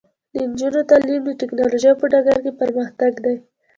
د نجونو تعلیم د ټیکنالوژۍ په ډګر کې پرمختګ دی.